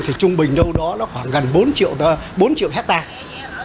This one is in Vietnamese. thì trung bình đâu đó nó khoảng gần bốn triệu hectare